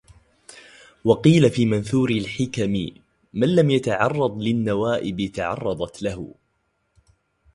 وَقِيلَ فِي مَنْثُورِ الْحِكَمِ مَنْ لَمْ يَتَعَرَّضْ لِلنَّوَائِبِ تَعَرَّضَتْ لَهُ